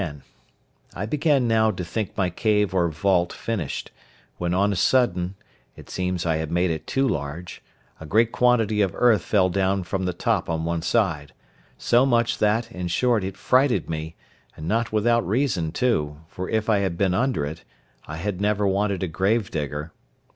—I began now to think my cave or vault finished, when on a sudden (it seems I had made it too large) a great quantity of earth fell down from the top on one side; so much that, in short, it frighted me, and not without reason, too, for if I had been under it, I had never wanted a gravedigger.